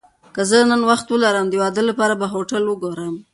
که زه نن وخت ولرم، د واده لپاره به هوټل وګورم.